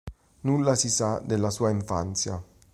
Nulla si sa della sua infanzia.